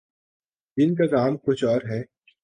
جن کا کام کچھ اور ہے۔